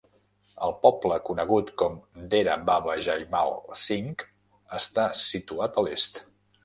El poble conegut com Dera Baba Jaimal Singh està situat a l'est.